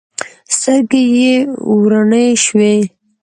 سترګې یې وروڼې شوې.